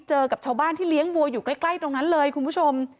กับชาวบ้านที่เลี้ยงวัวอยู่ใกล้ตรงนั้นเลยคุณผู้ชม